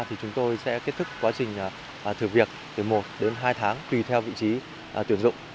thì chúng tôi sẽ kết thúc quá trình thử việc từ một đến hai tháng tùy theo vị trí tuyển dụng